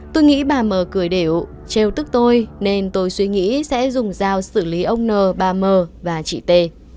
tôi nghĩ ba mơ cười để ụ treo tức tôi nên tôi suy nghĩ sẽ dùng dao xử lý ông n ba mơ và chị t